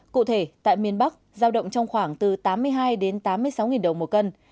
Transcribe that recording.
cụ thể tại miền bắc giao động trong khoảng từ tám mươi hai đến tám mươi sáu đồng một cân